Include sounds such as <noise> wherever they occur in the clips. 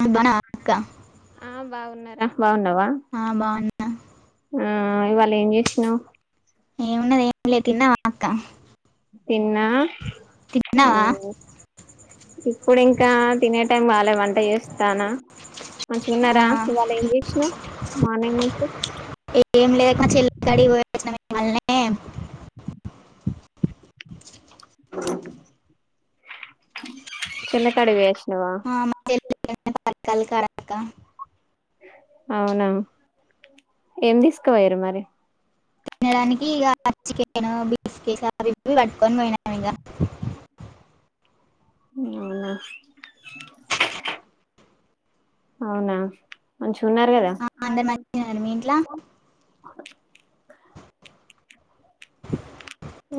బాగున్నవా అక్క ఆ బాగున్నారా బాగున్నావా ఆ బాగున్నా ఆ ఇవ్వాలా ఏం చేసినవ్ ఏమున్నది ఏ లే తిన్నావా అక్క తిన్న ఆ తిన్నావా ఇప్పుడు ఇంకా తినే టైం కాలే వంట చేస్తాన ఆ, మంచిగున్నారా ఇవాళ ఏం చేసినావ్ మార్నింగ్ నుంచి ఏం లేదు అక్క మా చెల్లె కాడికి పోయచ్చినం ఇవ్వాలనే చెల్లె కాడికి పోయచ్చినవా ఆ, <inaudible> అక్క అవునా ఏం తీసుకపోయరు మరి తినడానికి ఇగ చికెను బీస్కిట్స్ అవి ఇవి పట్టుకొని పోయినం ఇగా అవునా అవునా మంచిగా ఉన్నారు కదా ఆ, అందరు మంచిగా ఉన్నారు మీ ఇంట్లో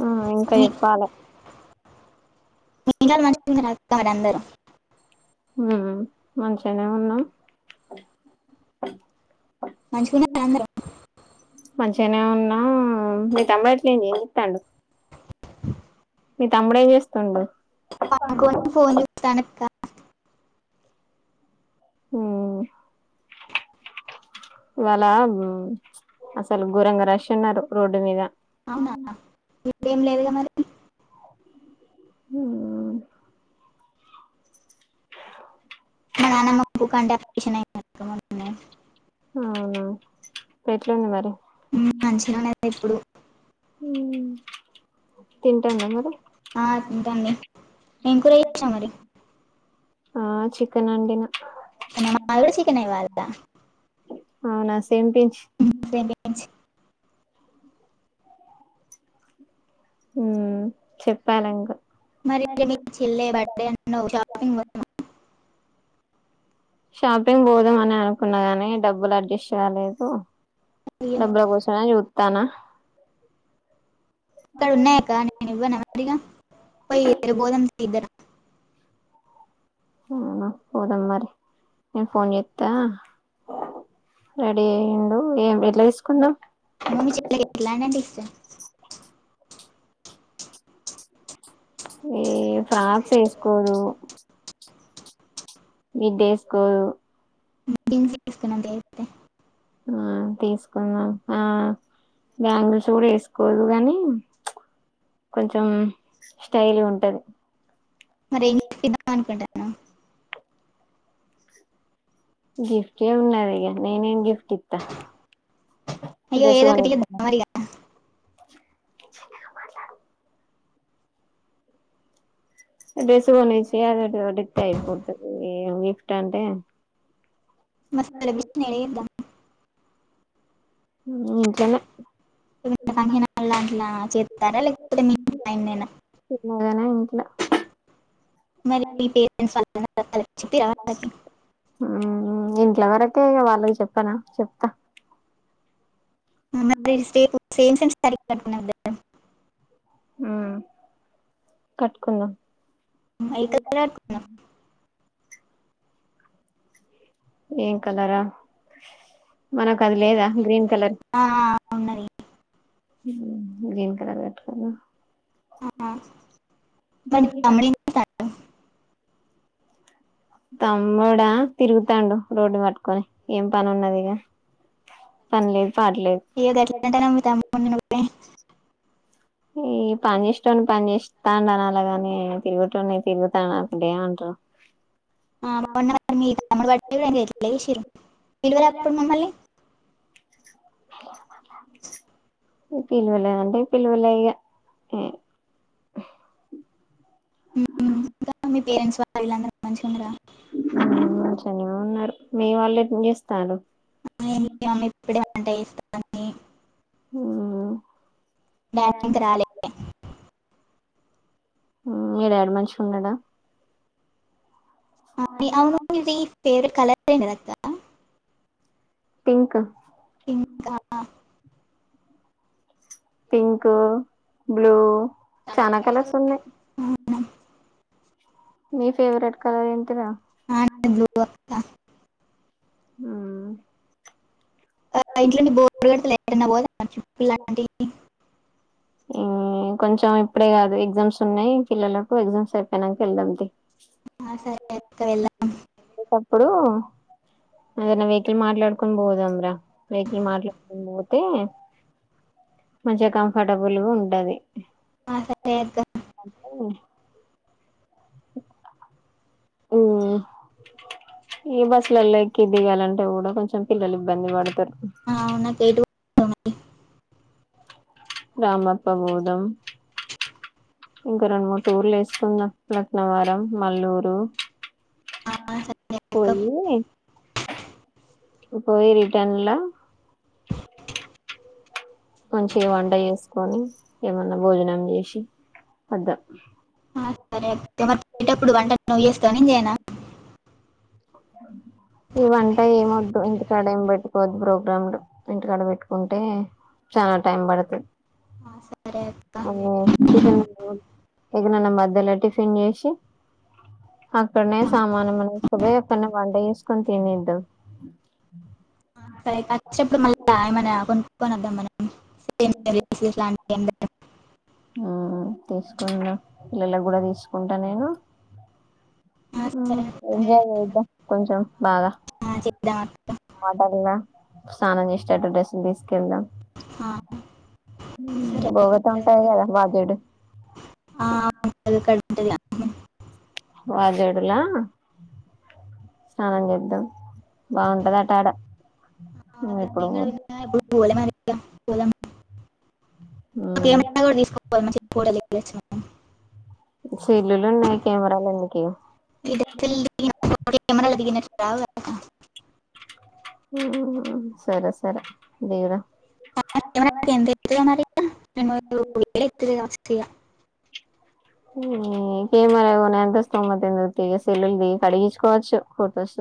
ఆ ఇంకా చెప్పాలే పిల్లలు మంచిగా ఉన్నారా అక్క మరి అందరూ ఉమ్ మంచిగానే ఉన్నాం మంచిగున్నర అందరు మంచిగానే ఉన్నా మీ తమ్మడు ఎట్లా అయ్యింది ఎం చేత్తండు మీ తమ్ముడు చేస్తుండు పనుకొని ఫోన్ చూస్తాను అక్క ఉమ్ ఇవాళ ఉమ్ అసలు ఘోరంగా రష్ ఉన్నారు రోడ్డు మీద అవునా ఇప్పుడేం ఇడేం లేదుగా మరి ఉమ్ మా నానమ్మకు కంటి ఆపరేషన్ ఐయీంది అక్క మొన్ననే అ ఇప్పుడు ఎట్లుంది మరి హ్మ్ మంచిగానే ఉన్నది ఇప్పుడు అ తింటాందా మరి ఆ తింటనంది ఎం కూర చేసినవ్ మరి ఆ చికెన్ వండిన నా మా గూడ చికెన్ ఇవ్వాల అవునా సేమ్ పించ్ పించ్ ఉమ్ చెప్పాలింకా మరి మీ చిల్లేె బర్త్‌డే అన్నావ్ షాపింగ్ పోదామా షాపింగ్ పోదాం అని అనుకున్న గాని డబ్బులు అడ్జస్ట్ కాలేదు డబ్బుల కోసమే చూతన <unintelligible> అక్కడ ఉన్నాయాక్క నేను ఇవ్వన మరిగా <unintelligible> పోయిరు రేప్ పోదాం తియ్ ఇద్ద అవునా పోదాం మరి నేను ఫోన్ జెత్తా రెడీ అయిండు ఏం ఎట్లా తీసుకుందాం <unintelligible> అంటే ఇష్టం ఏ ఫ్రాక్స్ ఎసుకోదు మిడ్డేసుకోదు తే హ్మ్ తీసుకుందాం ఆ బ్యాంగిల్స్ కూడ వేసుకోదు గనీ కొంచెం స్టైల్ గ్ ఉంటది మరి ఏం చేద్దాం అనుకుంటాన్నవ్ గి కే ఉన్నాదిగా నేనేం ఏం గిఫ్ట్ ఇత్త అయ్యో డ్రెస్ ఏదో ఒకటి కొనిత ఇద్దాం మరిగా చి చిన్నగ మాట్లాడు డస్ కొనిస్తే అ అడితేయిపోతది గిఫ్ట్ అంటే <unintelligible> హ్మ్ ఇంట్లనే వి ఫంక్షనాల్ల లాంటిలా చేత్తార లేకపోతే మీ ఇంటి పైన్నేన ల మరి మీ పేరెంట్స్ వాళ్ళ <unintelligible> హ్మ్ ఇంట్లో వరకె వాళ్ళకి చెప్పన చెప్తా మరి రేపు సేమ్ <unintelligible> <unintelligible> హ్మ్ కట్కో ఏ కలర్ కట్టుకున్నాం ఏ కలరా మనక్ అది లేదా గ్రీన్ కలర్ ఆ, ఉన్నది హ్మ్ గ్రీన్ కలర్ కట్కుందాం ఆ, <unintelligible> తమ్ముడా తిరుగుతాండు రోడ్డు పట్టుకొని ఏం పని ఉన్నది ఇగ పనిలేదు పాడులేదు హ్మ్ ఈ పని ఇష్టం పని చేస్తాండు అని అనాలాగాని తిరిగేటోన్ని తిరుగుతాండు అనకుంటే ఏం మంటారు బ్లాంక్ ఆ బగున్న మీ తముడుగాడు ఏం చేయట్లేదు ఎట్లా చేసిర్రు నీల్లు కూడ వత్తున్నాయ్ మల్లి బ్లాంక్ పిలువలే అంటే పిలువలె ఇగ బ్లాంక్ <unintelligible> మీ పేరెంట్స్ వాళ్లాందరు మంచిగున్నర మంచగనే ఉన్నరు మీ వాళ్ళు ఎప్పుడు చేస్తళ్ళు <unintelligible> డాడీ ఇంకా రాలే హ్మ్ మీ <unintelligible> మనిషి ఉన్నడా <unintelligible> పింక్ ఇంకా అవునా? పింకు బ్లూ చానా కలర్స్ ఉన్నయ్ నీ ఫెవరెట్ కలర్ ఏంటి ర ఆ బ్లూ అక్క హ్మ్ ఆ ఇంట్లో బోర్ కొడితే <unintelligible> ఇమ్ ఇంకొంచెం ఇప్పుడే కాదు ఎగ్జామ్స్ ఉన్నాయి పిల్లలకు ఎగ్జామ్స్ అయిపోయినంక ఎళ్దాం తీయ్ ఆ సరె అక్ ఒకప్పుడు ఏదైన వెహికల్ మాట్లాడుకొని బోదాం ర వెహికల్ మాట్లాడుకొని బోతే మచ్ కడవులూ ఉంటది ఆ, సరే అక్క హ్మ్ ఇగ బస్సులల్ల ఎక్కి దిగాలంటే కూడా కొంచెం పిల్లలు ఇబ్బంది పడుతరు అవునక్క కేటు ఆ, రామప్ప పోదం ఇంకా రెండు మూడు టూర్లు ఏసుకుందాం లక్నవరం మల్లూరు సరే అక్క పోయ్యి పోయి రిటర్న్ల మంచిగ వంట చేసుకొని ఏమన్నా భోజనం చేసి వద్దాం ఆ, సరే మరి పోయేటప్పుడు వంట నువ్ చెస్తవ నేన్ చేయనా ఈ వంట ఎంవ్వద్దు ఇంటికాడ ఏం పెట్టుకోవద్దు ప్రోగ్రాంలు ఇంటికాడ పెట్టుకుంటే చానా టైమ్ పడ్తది ఆ, సరే అక్క అదే టిఫిన్ చూడ్ ఎగనన్న మధ్యలా టిఫిన్ చేసి అక్కన్నే సామాన్ ఏమనాతీస్కాపోయి అక్కన్నే వంట చేసుకొని తినేద్దాం సరే అచ్చేటప్పుడు మళ్ళ ఏమైనా కొనుక్కొనద్దాం మనం <inaudible> తీసుకుందాం పిల్లలకి గూడా తీసుకుంటా నేను ఆ, ఉమ్ సరే అక్క ఎంజాయ్ చేద్దాం కొంచెం బాగా ఆ, చేద్దాం అక్క వాటర్లా స్నానం చేశేటట్టు డ్రెస్సులు తీసుకెళ్దాం ఆహ్ బోగత ఉంటాయి కదా వాజేడు ఆ <inaudible> వాజేడులా స్నానం చేద్దాం బాగుంటదంట ఆడ అవునక్క ఇప్పుడు నేన్ గూడ విన్న గాని ఎప్పుడు పోలే మరీ అక్క పోదాం కెమెరా కూడా తీసుకపోదాం మంచిగా ఫోటలు ఎక్కియ్యచ్చు సెల్లులు ఉన్నాయి కెమెరాలు ఎందుకు ఇ <inaudible> కెమరల్ దిడిగిన రావు గా అక్క ఉమ్ సరే సరే దిగుదాం <inaudible> ఎంత మరీ <inaudible> వేలు అయితది కావొచ్చు ఈ కెమరా కోనేంత స్తోమత ఎందూకు తీగా సెల్లులు దిగి కడిగిచుకోవచ్చు ఫో టోస్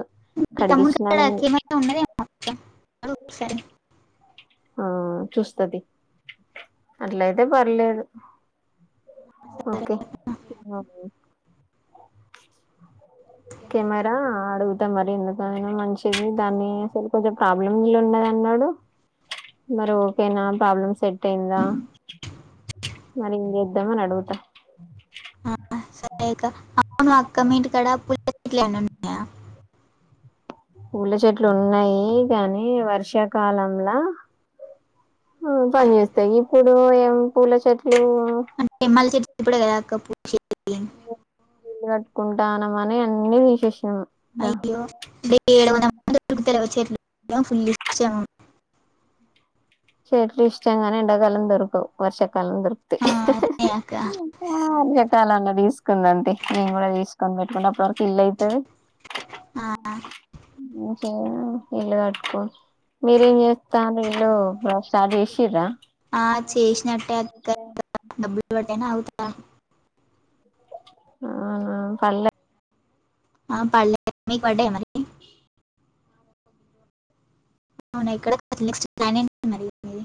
మీ తమ్ముడి కాడ కడిగిచ్చినాని కెమెరా ఉన్నదేమో అక్క అడుగు ఒకసారి ఆ చూస్తతీ అట్లైతే పర్లేదు ఓకే కెమెరా అడుగుతా మరి ఎందుకైనా మంచిది దాన్ని అసలు కొంచం ప్రాబ్లంలో ఉన్నదన్నాడు మరి ఓకేనా ప్రాబ్లమ్ సెటైందా మరెం చేద్దామని అడుగుతా ఆ, సరే అక్క అవును అక్క మీ ఇంటికాడా పూల చెట్లు ఏమన్నా ఉన్నాయ పూల చెట్లు ఉన్నాయి కానీ వర్షాకాలంలా హ్ పని జేస్తాయి ఇప్పుడు ఏం పూలచెట్లు అంటే <unintelligible> ఇల్లు కట్టుకుంటానమని అన్ని తిసేష్నం రా అంతకు <inaudible> చెట్లు ఫుల్ ఇష్టం చెట్లు ఇష్టంగాని ఎండాకాలం దొర్కవు వర్షాకాలం దొరుక్తయి. ఆ, అదే అక్క ఆరికటాల్ అన్న తీసుకుందాం తీయ్ నేను కూడా తీసుకొని పెట్టుకుంటే అప్పడి వరకు ఇల్లైతదీ <unintelligible> ఆ ఒకే ఇల్లు కట్కో మీరేం చేస్తాండ్రు ఇల్లు స్టార్ట్ చేసిర్రా ఆ చేస్నట్టే అక్క <unintelligible> బ్బుల్ వడ్తేనె అవుతయ్ ఆ ఆ ఆ పల్లె ఆ పడ్లే నీక్ పడ్డయా మరి అవున ఎక్కడ నెక్స్ట్ ప్లాన్ ఏంటి మరి నీది.